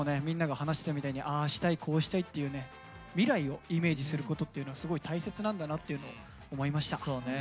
みんなが話してたみたいに「ああしたいこうしたい」っていうね未来をイメージすることっていうのはすごい大切なんだなっていうのを思いました。